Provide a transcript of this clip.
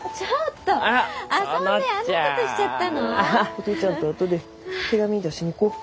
お父ちゃんとあとで手紙出しに行こう。